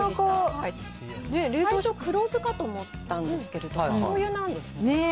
最初、黒酢かと思ったんですけど、しょうゆなんですね。